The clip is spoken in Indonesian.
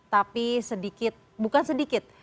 tapi sedikit bukan sedikit